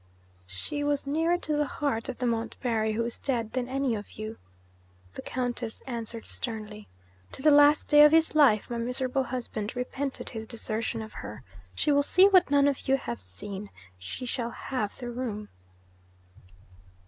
'She was nearer to the heart of the Montbarry who is dead than any of you,' the Countess answered sternly. 'To the last day of his life, my miserable husband repented his desertion of her. She will see what none of you have seen she shall have the room.'